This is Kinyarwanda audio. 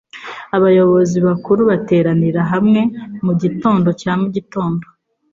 Abayobozi bakuru bateranira hamwe mugitondo cya mugitondo.